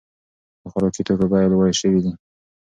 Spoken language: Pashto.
د خوراکي توکو بیې لوړې شوې دي.